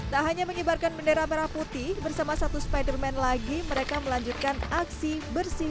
tak hanya menyebarkan bendera merah putih bersama satu spiderman lagi mereka melanjutkan aksi bersih